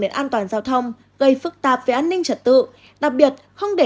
đến an toàn giao thông gây phức tạp về an ninh trật tự đặc biệt không để